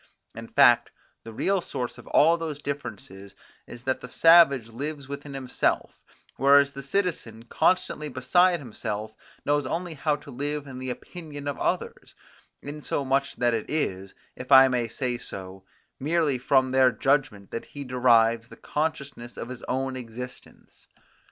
In fact, the real source of all those differences, is that the savage lives within himself, whereas the citizen, constantly beside himself, knows only how to live in the opinion of others; insomuch that it is, if I may say so, merely from their judgment that he derives the consciousness of his own existence.